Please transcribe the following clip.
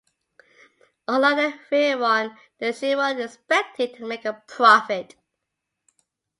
Unlike the Veyron, the Chiron is expected to make a profit.